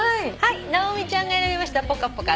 直美ちゃんが選びました「ポカポカ」